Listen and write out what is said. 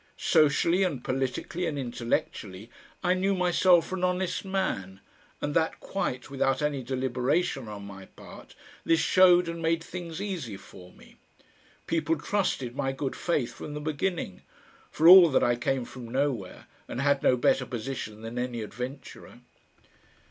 Socially and politically and intellectually I knew myself for an honest man, and that quite without any deliberation on my part this showed and made things easy for me. People trusted my good faith from the beginning for all that I came from nowhere and had no better position than any adventurer.